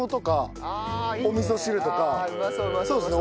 そうですね。